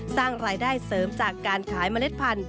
สร้างรายได้เสริมจากการขายเมล็ดพันธุ